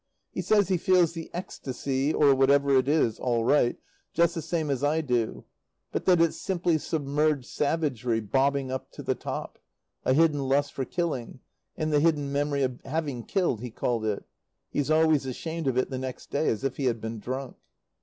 He says he feels the ecstasy, or whatever it is, all right, just the same as I do; but that it's simply submerged savagery bobbing up to the top a hidden lust for killing, and the hidden memory of having killed, he called it. He's always ashamed of it the next day, as if he had been drunk.